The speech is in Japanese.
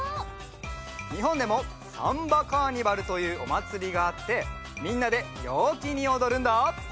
にほんでもサンバカーニバルというおまつりがあってみんなでようきにおどるんだ。